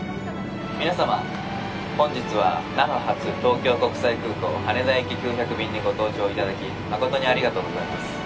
「皆様本日は那覇発東京国際空港羽田行き９００便にご搭乗頂き誠にありがとうございます」